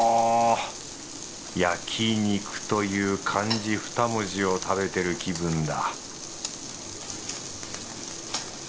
「焼肉」という漢字二文字を食べてる気分だ